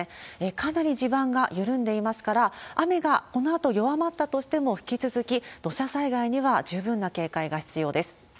かなり地盤が緩んでいますから、雨がこのあと弱まったとしても、引き続き土砂災害には十分な警戒が必要です。